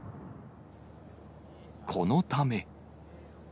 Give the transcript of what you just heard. このため。